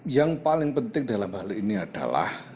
yang paling penting dalam hal ini adalah